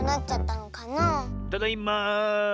ただいま。